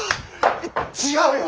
違うよ！